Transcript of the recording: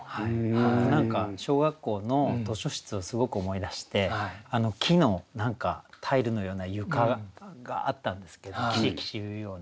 僕何か小学校の図書室をすごく思い出して木のタイルのような床があったんですけどキシキシいうような。